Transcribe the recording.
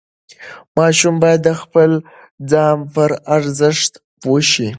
ماشوم باید د خپل ځان پر ارزښت پوه شي.